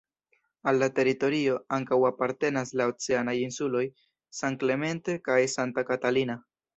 Al la teritorio ankaŭ apartenas la oceanaj insuloj "San Clemente" kaj "Santa Catalina".